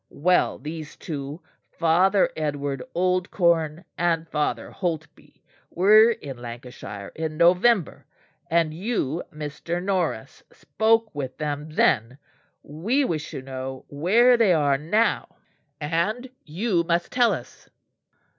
"Well, these two, Father Edward Oldcorne and Father Holtby were in Lancashire in November; and you, Mr. Norris, spoke with them then. We wish to know where they are now, and you must tell us."